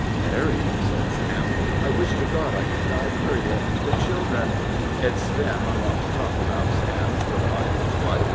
"Mary," said Sam, "I wish ter God I could die fur yer. The children " "It's them I want to talk about, Sam," replied his wife.